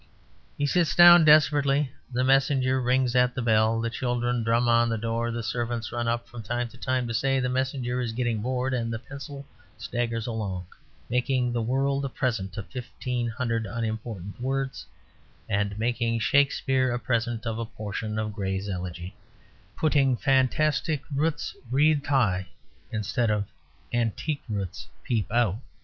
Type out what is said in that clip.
He sits down desperately; the messenger rings at the bell; the children drum on the door; the servants run up from time to time to say the messenger is getting bored; and the pencil staggers along, making the world a present of fifteen hundred unimportant words, and making Shakespeare a present of a portion of Gray's Elegy; putting "fantastic roots wreathed high" instead of "antique roots peep out."